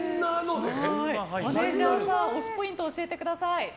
マネジャーさん、推しポイントを教えてください。